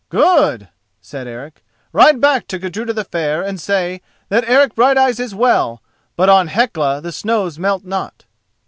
"Good," said Eric, "ride back to Gudruda the Fair and say that Eric Brighteyes is well, but on Hecla the snows melt not."